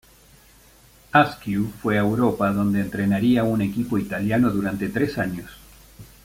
Askew fue a Europa donde entrenaría un equipo italiano durante tres años.